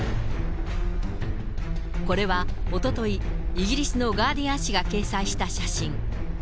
これはおととい、イギリスのガーディアン紙が掲載した写真。